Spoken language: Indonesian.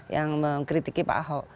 yang mengkritiki pak ahok